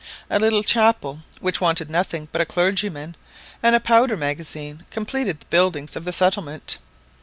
A little chapel, which wanted nothing but a clergyman, and a powder magazine, completed the buildings of the settlement.